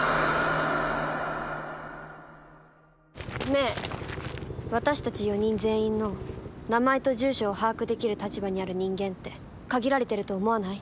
ねえ私たち４人全員の名前と住所を把握できる立場にある人間って限られてると思わない？